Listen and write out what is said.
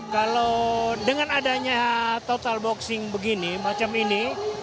kalau dengan adanya total boxing begini